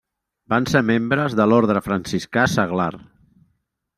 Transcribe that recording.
Van ser membres de l'Orde Franciscà Seglar.